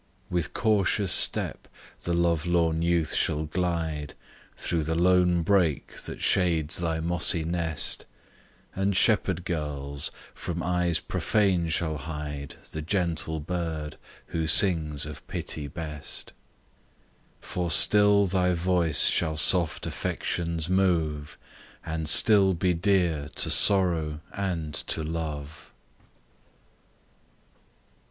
With cautious step, the love lorn youth shall glide Thro' the lone brake that shades thy mossy nest; And shepherd girls, from eyes profane shall hide The gentle bird, who sings of pity best: For still thy voice shall soft affections move, And still be dear to sorrow, and to love!